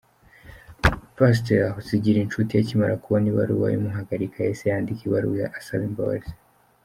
Pastor Zigirinshuti akimara kubona ibaruwa imuhagarika, yahise yandika ibaruwa asaba imbabazi.